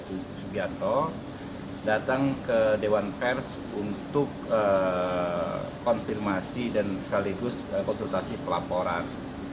pak sugianto datang ke dewan pers untuk konfirmasi dan sekaligus konsultasi pelaporan